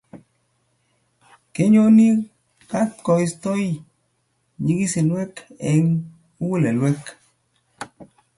Kenyochi kat koistoi nyikisinwek eng mugulelwek